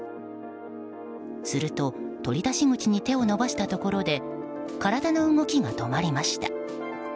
すると、取り出し口に手を伸ばしたところで体の動きが止まりました。